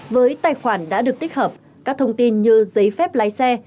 với tài khoản đã được tích hợp các thông tin như giấy phép lái xe